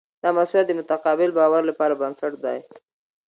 دا مسؤلیت د متقابل باور لپاره بنسټ دی.